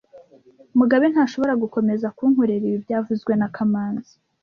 Mugabe ntashobora gukomeza kunkorera ibi byavuzwe na kamanzi